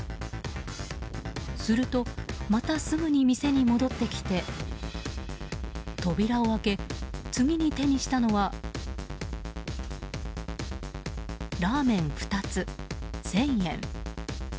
すると、またすぐに店に戻ってきて扉を開け、次に手にしたのはラーメン２つ、１０００円。